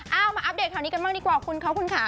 เอามาอัปเดตข่าวนี้กันบ้างดีกว่าคุณเขาคุณค่ะ